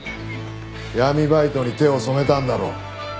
闇バイトに手を染めたんだろ。